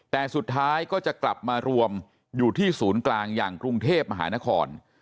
แต่สุดท้ายก็จะกลับมารวมอยู่ที่ศูนย์กลางอย่างกรุงเทพมหานคร